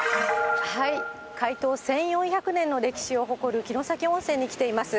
開湯１４００年の歴史を誇る城崎温泉に来ています。